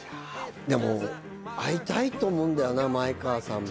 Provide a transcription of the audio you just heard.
でも会いたいと思うんだよな前川さんも。